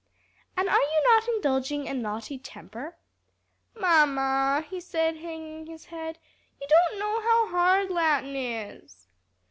And are you not indulging a naughty temper?" "Mamma," he said, hanging his head, "you don't know how hard Latin is."